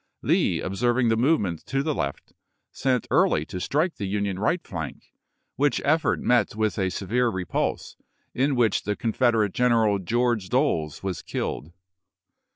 Lee, observing the movement to the left, sent Early to strike the Union right flank, which effort met with a severe repulse, in which the Confederate general Greorge Doles was killed.